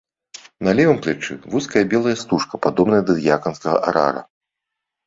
На левым плячы вузкая белая стужка, падобная да дыяканскага арара.